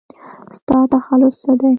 ستا تخلص څه دی ؟